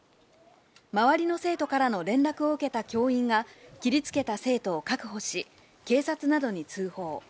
周りの生徒からの連絡を受けた教員が、切りつけた生徒を確保し、警察などに通報。